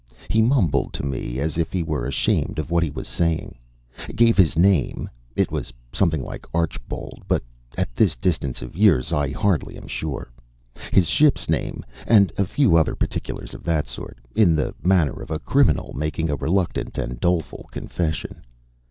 He mumbled to me as if he were ashamed of what he was saying; gave his name (it was something like Archbold but at this distance of years I hardly am sure), his ship's name, and a few other particulars of that sort, in the manner of a criminal making a reluctant and doleful confession.